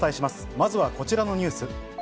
まずはこちらのニュース。